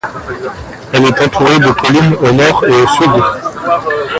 Elle est entourée de collines au nord et au sud.